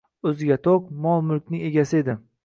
O’ziga to’q, mol-mulkning egasi edi.